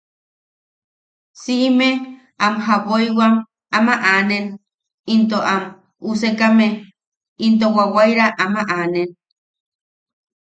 Siʼime am jaboiwam ama aanen, into am usekame into wawaira ama aanen.